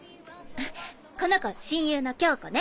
この子親友の恭子ね。